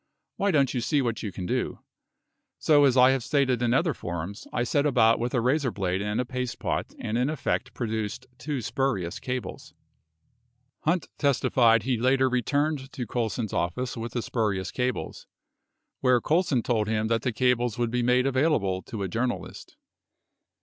Why don't you see what you can do." So as I have stated in other forums, I set about with a razor blade and a paste pot and in effect produced two spurious cables. 46 Hunt testified he later returned to Colson's office with the spurious cables, where Colson told him that the cables would be made available to a journalist.